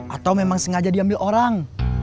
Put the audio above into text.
atau memang sengaja diambil orang